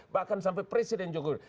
bahkan sampai presiden jogor